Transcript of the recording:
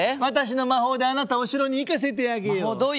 「私の魔法であなたをお城に行かせてあげよう」。